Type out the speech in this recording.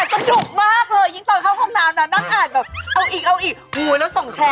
แล้วก็ลิงก์กันไปว่า